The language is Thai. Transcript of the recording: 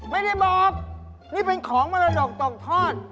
ไม่ได้บอกนี่เป็นของมรดกตกทอด